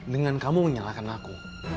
dengan kamu menyalahkan aku